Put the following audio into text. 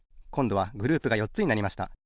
こんどはグループがよっつになりました。